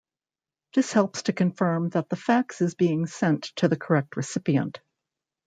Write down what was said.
This helps to confirm that the fax is being sent to the correct recipient.